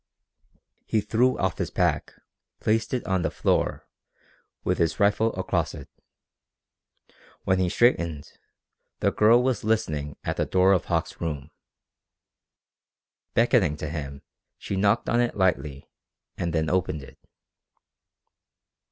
He threw off his pack, placed it on the floor, with his rifle across it. When he straightened, the girl was listening at the door of Hauck's room. Beckoning to him she knocked on it lightly, and then opened it.